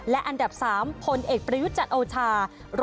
และอันดับ๓พลเอกประยุทธ์จัดโอชา๑๑๐๓๙